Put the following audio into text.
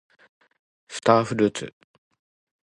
スターフルーツ